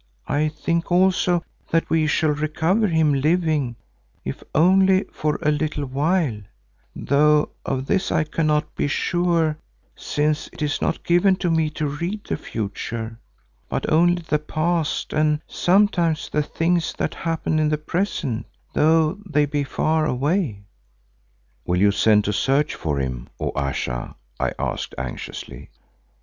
I think also that we shall recover him living, if only for a little while, though of this I cannot be sure since it is not given to me to read the future, but only the past, and sometimes the things that happen in the present though they be far away." "Will you send to search for him, O Ayesha?" I asked anxiously.